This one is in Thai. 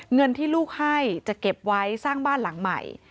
เงินที่ลูกให้จะเก็บไว้สร้างบ้านหลังใหม่